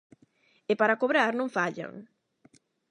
E para cobrar non fallan.